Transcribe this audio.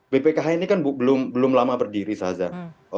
bpkh ini kan belum lama berdiri saza